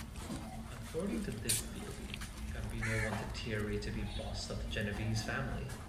According to this theory, Gambino wanted Tieri to be boss of the Genovese family.